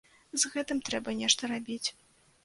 З гэтым трэба нешта рабіць.